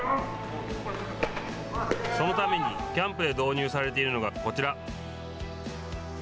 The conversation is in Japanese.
そのためにキャンプで導入されているのがこちら。